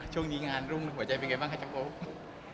ช่วงนี้งานรุ่งหัวใจเป็นไงบ้างคะจำโป๊